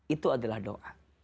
itu adalah doa